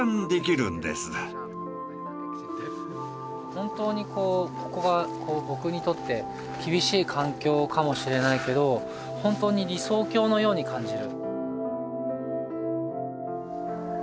本当にこうここは僕にとって厳しい環境かもしれないけど本当に理想郷のように感じる。